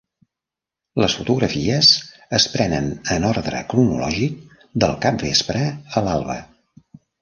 Les fotografies es prenen en ordre cronològic, del capvespre a l"alba.